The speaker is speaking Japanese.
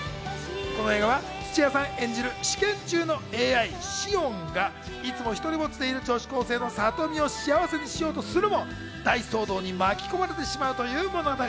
この映画は土屋さん演じる試験中のＡＩ・シオンがいつもひとりぼっちでいる女子高生のサトミを幸せにしようとするも、大騒動に巻き込まれてしまうという物語。